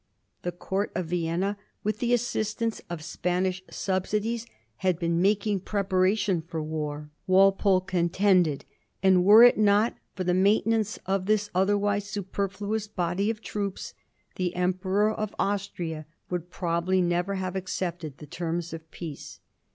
The Court of Vienna, with the assistance of Spanish subsidies, had been making preparation for war, Walpole contended ; and were it not for the maintenance of this otherwise superfluous body of troops, the Emperor of Austria would pro bably never have accepted the terms of peace.